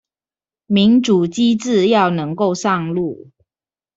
民主機制要能夠上路